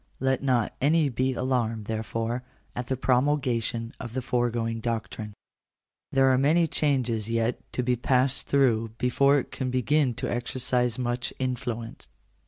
! Let not any be alarmed, therefore, at the promulgation of the i foregoing doctrine. There are many changes yet to be passed through before it can begin to exercise much influence.